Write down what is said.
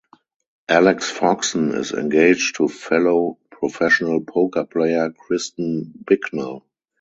Alex Foxen is engaged to fellow professional poker player Kristen Bicknell.